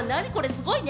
すごいね。